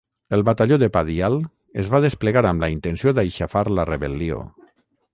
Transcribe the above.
El batalló de Padial es va desplegar amb la intenció d'"aixafar la rebel·lió.